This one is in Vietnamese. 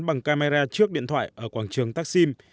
bằng camera trước điện thoại ở quảng trường taksim